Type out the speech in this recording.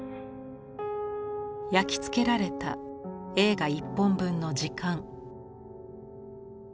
焼き付けられた映画１本分の時間。